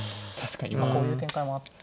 こういう展開もあったと。